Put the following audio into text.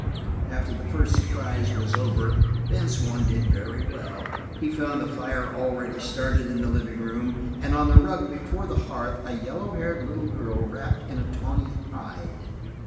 After the first surprise was over, Ben Swann did very well. He found the fire already started in the living room and on the rug before the hearth a yellow haired little girl wrapped in a tawny hide.